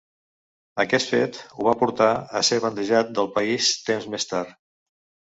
Aquest fet ho va portar a ser bandejat del país temps més tard.